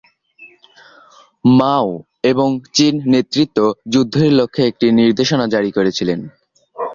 মাও এবং চীন নেতৃত্ব যুদ্ধের লক্ষ্যে একটি নির্দেশনা জারি করেছিলেন।